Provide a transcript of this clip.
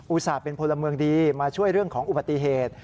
ส่าห์เป็นพลเมืองดีมาช่วยเรื่องของอุบัติเหตุ